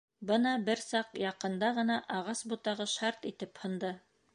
Бына бер саҡ яҡында ғына ағас ботағы шарт итеп һынды.